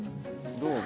どうぞ。